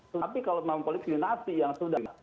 tapi kalau memang politik dinasti yang sudah